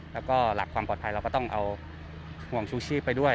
แล้วก็หลักความปลอดภัยเราก็ต้องเอาห่วงชูชีพไปด้วย